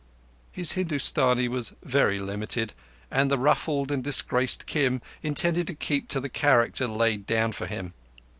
_" His Hindustanee was very limited, and the ruffled and disgusted Kim intended to keep to the character laid down for him.